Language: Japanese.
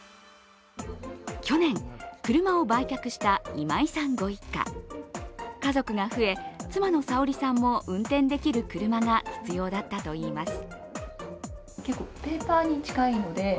去年、車を売却した今井さんご一家家族が増え、妻のさおりさんも運転できる車が必要だったといいます。